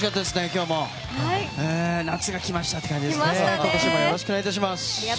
今年もよろしくお願いします。